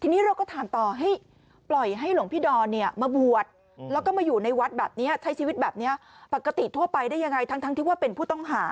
ทีนี้เราก็ถามต่อให้ปล่อยให้หลวงพี่ดอนมาบวชแล้วก็มาอยู่ในวัดแบบนี้ใช้ชีวิตแบบนี้ปกติทั่วไปได้ยังไงทั้งที่ว่าเป็นผู้ต้องหา